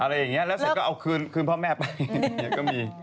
อะไรอย่างนี้แล้วเสร็จก็เอาคืนพ่อแม่ไป